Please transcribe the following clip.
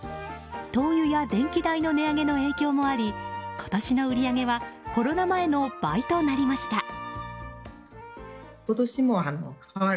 灯油や電気代の値上げの影響もあり今年の売り上げはコロナ前の倍となりました。